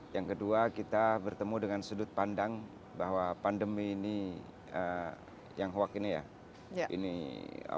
yang kedua kita bertemu dengan sudut pandang bahwa pandemi ini yang hoak ini ya